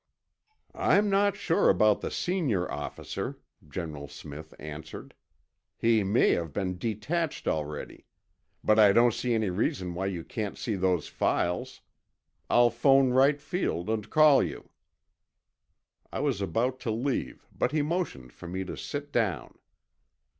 '" "I'm not sure about the senior officer," General Smith answered. "He may have been detached already. But I don't see any reason why you can't see those files. I'll phone Wright Field and call you." I was about to leave, but he motioned for me to sit down.